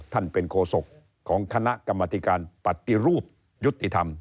เป็นโคศกของคณะกรรมธิการปฏิรูปยุติธรรม